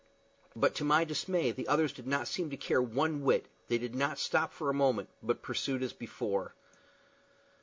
But, to my dismay, the others did not seem to care one whit; they did not stop for one moment, but pursued as before.